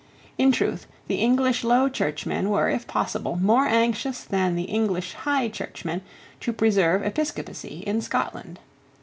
In truth the English Low Churchmen were, if possible, more anxious than the English High Churchmen to preserve Episcopacy in Scotland.